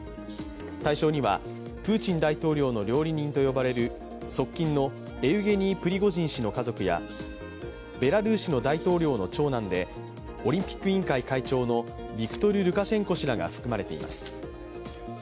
対象には、プーチン大統領の両人と呼ばれる側近のエウゲニー・プリゴジン氏の家族やベラルーシの大統領の長男でオリンピック委員会会長のビクトル・ルエシェンコ氏らが含まれています。